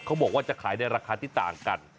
เขาบอกว่าจะขายในราคาที่ต่างกัน